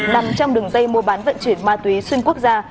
nằm trong đường dây mua bán vận chuyển ma túy xuyên quốc gia